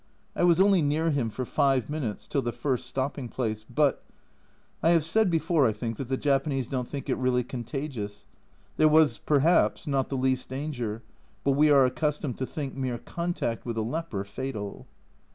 I was only near him for five minutes, till the first stopping place but . I have said before, I think, that the Japanese don't think it really contagious ; there was perhaps not the least danger, but we are accustomed to think mere contact with a leper fatal.